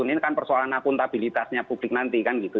ini kan persoalan akuntabilitasnya publik nanti kan gitu